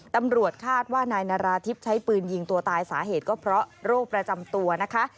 ตำรวจคาดว่านายนาราธิบใช้ปืนยิงตัวตายสาเหตุก็เพราะโรคประจำตัวนะคะ